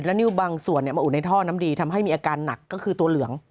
นิ้วบางส่วนมาอุดในท่อน้ำดีทำให้มีอาการหนักก็คือตัวเหลือง